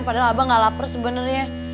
padahal abah nggak lapar sebenarnya